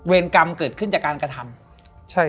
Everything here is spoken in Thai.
เวรกรรมเกิดขึ้นจากการกระทำ